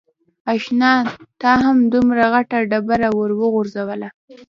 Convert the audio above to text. اشنا تا هم دومره غټه ډبره ور و غورځوله.